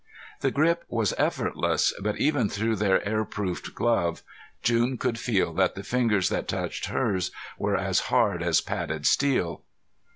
The grip was effortless but even through her airproofed glove June could feel that the fingers that touched hers were as hard as padded steel.